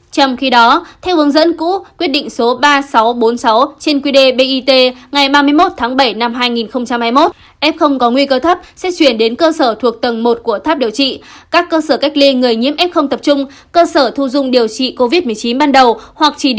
trong khi đó theo hướng dẫn cũ quyết định số ba nghìn sáu trăm bốn mươi sáu trên quy đề bit ngày ba mươi một tháng bảy năm hai nghìn hai mươi một f có nguy cơ thấp sẽ chuyển đến cơ sở thuộc tầng một của tháp điều trị các cơ sở cách ly người nhiễm f tập trung cơ sở thu dung điều trị covid một mươi chín ban đầu